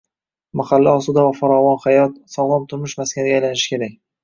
Mahalla osuda va farovon hayot, sog‘lom turmush maskaniga aylanishi kerak